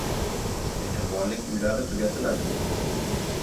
Mehribonlik uylari tugatiladimi?